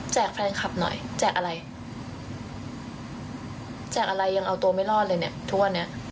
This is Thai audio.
แฟนคลับหน่อยแจกอะไรแจกอะไรยังเอาตัวไม่รอดเลยเนี่ยทุกวันนี้